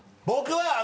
僕は。